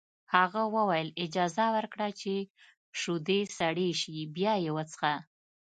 هغه وویل اجازه ورکړه چې شیدې سړې شي بیا یې وڅښه